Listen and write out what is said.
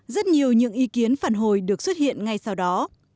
rất nhiều những ý kiến phản hồi được xuất hiện ngay sau đó